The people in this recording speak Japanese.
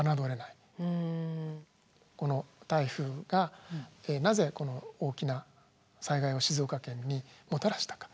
この台風がなぜこの大きな災害を静岡県にもたらしたか。